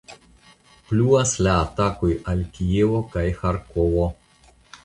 Pluas la atakoj al Kievo kaj Ĥarkovo.